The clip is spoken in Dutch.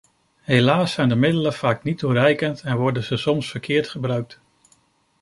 Helaas zijn de middelen vaak niet toereikend en worden ze soms verkeerd gebruikt.